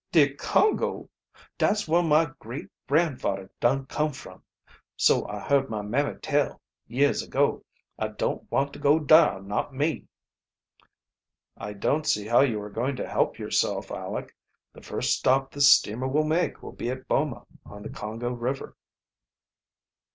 "De Congo! Dat's whar my great gran' fadder dun come from so I heard my mammy tell, years ago. I don't want to go dar, not me!" "I don't see how you are going to help yourself, Aleck. The first stop this steamer will make will be at Boma on the Congo River."